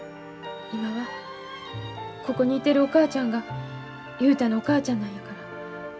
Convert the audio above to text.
今はここにいてるお母ちゃんが雄太のお母ちゃんなんやから。